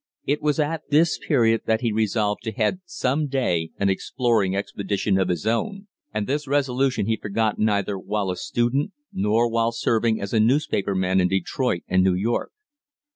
It was at this period that he resolved to head some day an exploring expedition of his own, and this resolution he forgot neither while a student nor while serving as a newspaper man in Detroit and New York.